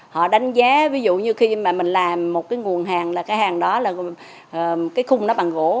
họ đánh giá ví dụ như khi mà mình làm một cái nguồn hàng là cái hàng đó là cái khung nó bằng gỗ